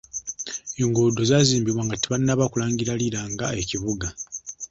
Enguudo zaazimbibwa nga tebanaba kulangirira Lira nga ekibuga.